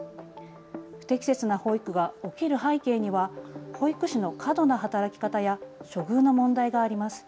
不適切な保育が起きる背景には保育士の過度な働き方や処遇の問題があります。